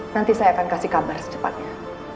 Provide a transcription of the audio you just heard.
nanti saya akan kasih kabar secepatnya